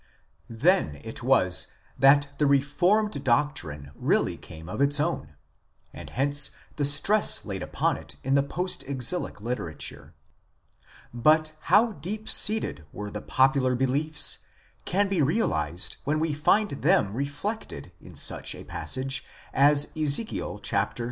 Then it was that the reformed doctrine really came to its own, and hence the stress laid upon it in the post exilic literature. But how deep seated were the popular beliefs can be realized when we find them reflected in such a passage as Ezekiel xxxii.